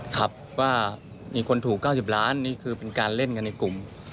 ครับว่ามีคนถูก๙๐ล้านนี่คือเป็นการเล่นกันในกลุ่ม